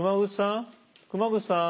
熊楠さん？